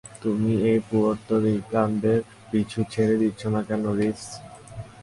তুমি এই পুয়ের্তো রিকানদের পিছু ছেড়ে দিচ্ছ না কেন, রিফস?